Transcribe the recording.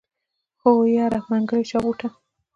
هو يره منګلی چا بوته.